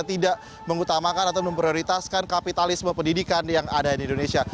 tidak mengutamakan atau memprioritaskan kapitalisme pendidikan yang ada di indonesia